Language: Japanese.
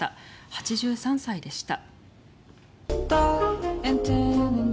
８３歳でした。